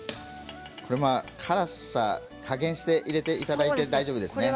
辛さ、加減して入れていただいて大丈夫です。